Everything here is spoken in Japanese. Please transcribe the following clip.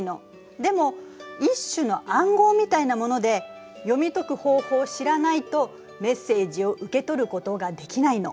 でも一種の暗号みたいなもので読み解く方法を知らないとメッセージを受け取ることができないの。